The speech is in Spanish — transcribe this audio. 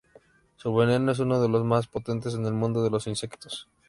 Su veneno es uno de los más potentes en el mundo de los insectos.